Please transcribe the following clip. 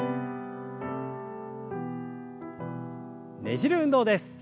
ねじる運動です。